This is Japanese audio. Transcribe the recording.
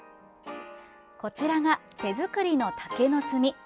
こちらが手作りの竹の炭。